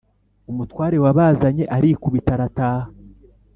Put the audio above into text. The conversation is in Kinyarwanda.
umutware wabazanye arikubita arataha